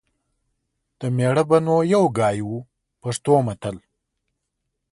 د مېړه به نو یو ګای و . پښتو متل